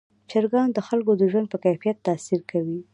چرګان د خلکو د ژوند په کیفیت تاثیر کوي.